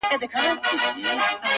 که نه نو ولي بيا جواب راکوي،